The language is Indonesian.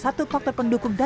bagaimana menurut anda